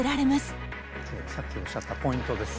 さっきおっしゃったポイントです。